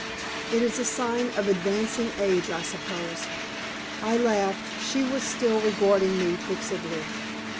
It is a sign of advancing age, I suppose." I laughed. She was still regarding me fixedly.